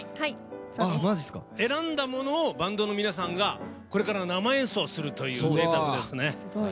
選んだものをバンドの皆さんがこれから生演奏するという。